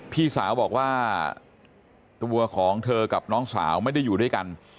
พี่สาวบอกว่าตัวของเธอกับน้องสาวไม่ได้อยู่ด้วยกัน